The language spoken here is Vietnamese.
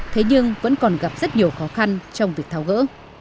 thế nhưng vẫn còn gặp rất nhiều khó khăn trong việc tháo gỡ